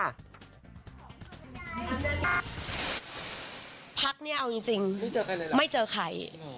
พักเนี่ยเอาจริงไม่เจอใคร